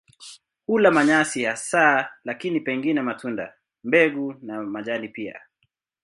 Hula manyasi hasa lakini pengine matunda, mbegu na majani pia.